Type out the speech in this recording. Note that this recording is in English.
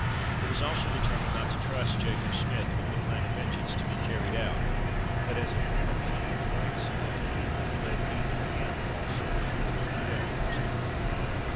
It was also determined not to trust Jacob Smith with the plan of vengeance to be carried out, but, as a precaution on the right side, to let even him also believe that Old Death was no more.